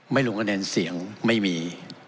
ไม่ลงกระแดนเสียงไม่มี